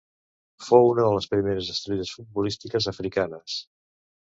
Fou una de les primeres estrelles futbolístiques africanes.